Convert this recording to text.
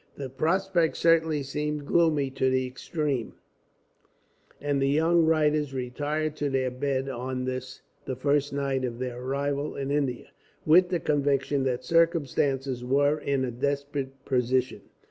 The prospect certainly seemed gloomy in the extreme, and the young writers retired to their beds, on this, the first night of their arrival in India, with the conviction that circumstances were in a desperate position.